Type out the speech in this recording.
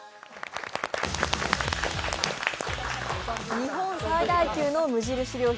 日本最大級の無印良品